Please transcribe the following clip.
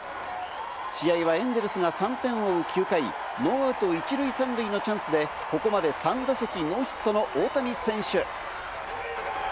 試合はエンゼルスが３点を追う９回、ノーアウト１塁３塁のチャンスでここまで３打席ノーヒットの大谷選手。